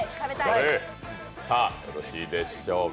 さあよろしいでしょうか。